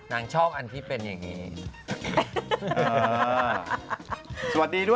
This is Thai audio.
นางชอบอันที่เป็นอย่างนี้